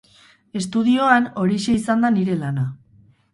Estudioan, horixe izan da nire lana.